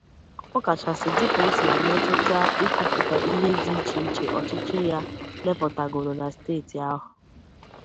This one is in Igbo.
ọkachasị dịka o siri metụta ikwupụta ihe dị icheiche ọchịchị ya mepụtagoro na steeti ahụ.